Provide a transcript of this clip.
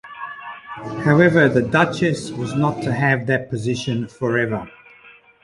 However, the Duchess was not to have that position forever.